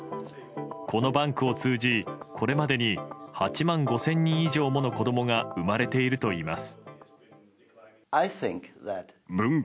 このバンクを通じ、これまでに８万５０００人以上もの子供が生まれているといいます。